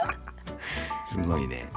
すごいね。